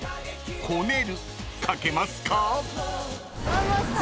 ［「コねる」書けますか？］